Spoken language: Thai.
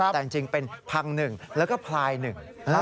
แต่จริงเป็นพังหนึ่งแล้วก็พลายหนึ่ง